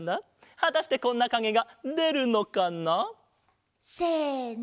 はたしてこんなかげがでるのかな？せの！